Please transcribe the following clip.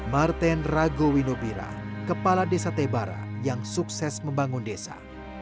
martin ragowinobira kepala desa tebara yang sukses membangun desa